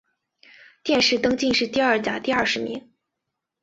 殿试登进士第二甲第二十名。